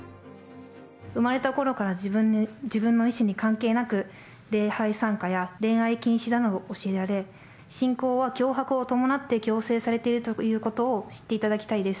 生まれたころから、自分の意思に関係なく、礼拝参加や恋愛禁止などを教えられ、信仰は脅迫を伴って強制されているということを知っていただきたいです。